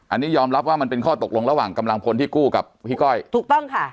อันนี้ยอมรับว่ามันเป็นข้อตกลงระหว่างกำลังพลที่กู้กับพี่ก้อยถูกต้องค่ะ